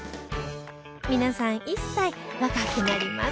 皆さん１歳若くなります